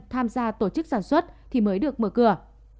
tham gia tổ chức sản xuất thì mới được mở cửa